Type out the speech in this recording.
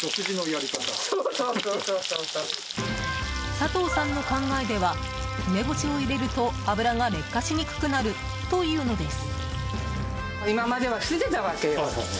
佐藤さんの考えでは梅干しを入れると油が劣化しにくくなるというのです。